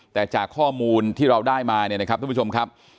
แต่จากข้อมูลที่เราได้มาเนี่ยนะครับทุกผู้ชมครับ